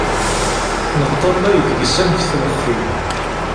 Neṭṭallay deg-s amek tlexxi.